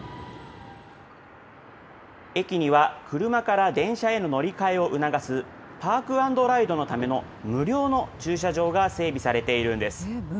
駅には車から電車への乗り換えを促す、パークアンドライドのための無料の駐車場が整備されているんです。